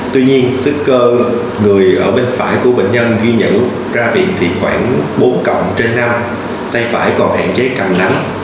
tuy nhiên sức cơ người ở bên phải của bệnh nhân ghi nhận ra việc thì khoảng bốn cộng trên năm tay phải còn hạn chế cằm nắng